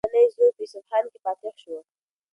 د افغانستان دغه مېړنی زوی په اصفهان کې فاتح شو.